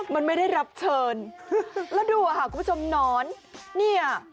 มันไม่ได้รับเชิญแล้วดูอะค่ะคุณผู้ชมหนอนเนี่ย